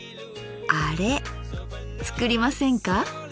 あれつくりませんか？